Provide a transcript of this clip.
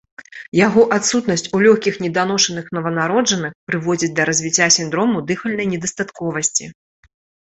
Яго адсутнасць у лёгкіх неданошаных нованароджаных прыводзіць да развіцця сіндрому дыхальнай недастатковасці.